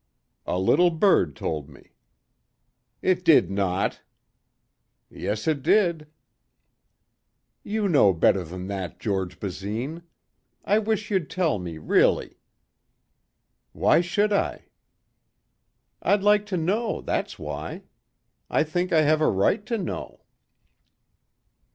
"A little bird told me." "It did not." "Yes it did." "You know better than that, George Basine. I wish you'd tell me really." "Why should I." "I'd like to know, that's why. I think I have a right to know."